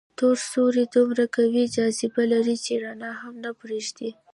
تور سوري دومره قوي جاذبه لري چې رڼا هم نه پرېږدي.